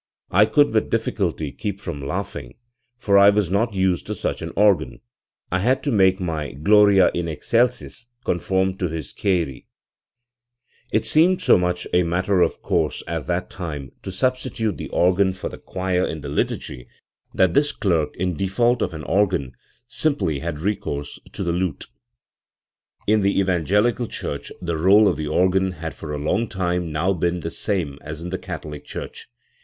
I could with difficulty keep from laughing, for I was not used to such an organ ; I had to make my Gloria in excelsis conform to his Kyrie" It seemed so much a matter of course at that time to substitute the organ for the choir in the liturgy that this clerk, in default of an organ, simply had recourse to the lute! In the Evangelical church the rdle of the organ had for a long time now been the same as in the Catholic church.